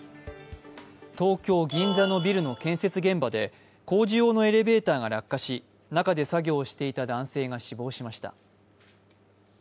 東京・銀座のビルの建設現場で工事用のエレベーターが落下し中で作業をしていた男性が死亡しました。